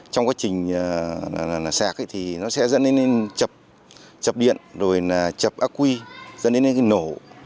trong quá trình xạc thì nó sẽ dẫn đến chập điện rồi là chập acquiescent dẫn đến cái nổ